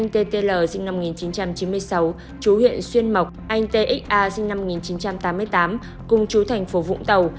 t x a sinh năm một nghìn chín trăm tám mươi tám cung chú thành phố vũng tàu